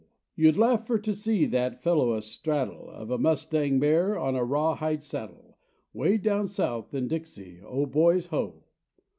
You'd laugh fur to see that fellow a straddle Of a mustang mare on a raw hide saddle, Way down south in Dixie, Oh, boys, Ho.